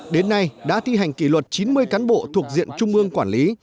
đến nay đã thi hành kỷ luật chín mươi cán bộ thuộc diện trung ương quản lý